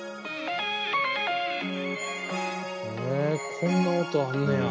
へえこんな音あんねや。